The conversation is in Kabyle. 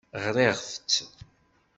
Ɣriɣ-tt.